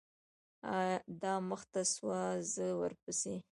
دا مخته سوه زه ورپسې.